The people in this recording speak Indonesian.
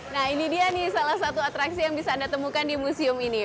nah ini dia nih salah satu atraksi yang bisa anda temukan di museum ini